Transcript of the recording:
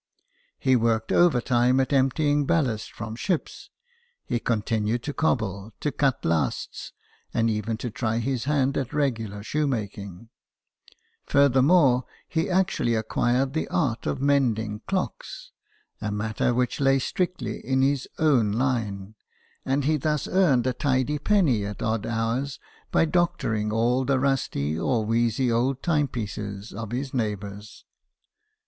He worked overtime at emptying ballast from ships ; he continued to cobble, to cut lasts, and even to try his hand at regular shoemaking ; furthermore, he actually acquired the art of mending clocks, a matter which lay strictly in his own line, and he thus earned a tidy penny at odd hours by doctoring all the rusty or wheezy old timepieces of all his neighbours.